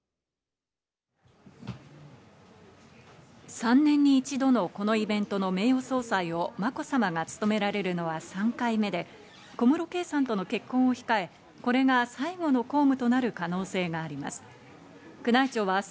３年に一度のこのイベントの名誉総裁をまこさまが務められるのは３回目で、小室圭さんとの結婚を控え、これが最後の公務となる可能性があります。